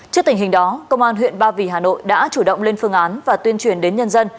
trước tình hình đó công an huyện ba vì hà nội đã chủ động lên phương án và tuyên truyền đến nhân dân